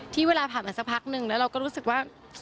เวลาผ่านมาสักพักนึงแล้วเราก็รู้สึกว่า